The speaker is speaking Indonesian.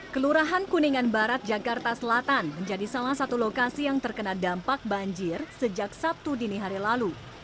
kelurahan kuningan barat jakarta selatan menjadi salah satu lokasi yang terkena dampak banjir sejak sabtu dini hari lalu